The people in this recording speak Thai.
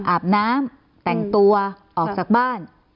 อาบน้ำแต่งตัวออกจากบ้าน